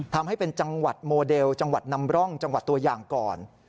ทำให้เป็นจังหวัดโมเดลจังหวัดนำร่องจังหวัดตัวอย่างก่อน